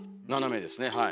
斜めですねはい。